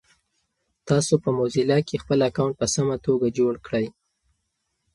تاسو په موزیلا کې خپل اکاونټ په سمه توګه جوړ کړی؟